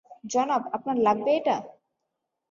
জনাব, আপনার লাগবে এটা?